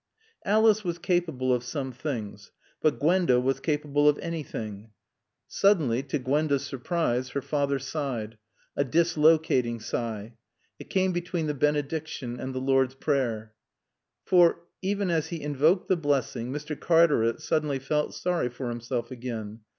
Alice was capable of some things; but Gwenda was capable of anything. Suddenly, to Gwenda's surprise, her father sighed; a dislocating sigh. It came between the Benediction and the Lord's Prayer. For, even as he invoked the blessing Mr. Cartaret suddenly felt sorry for himself again.